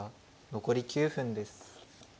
残り９分です。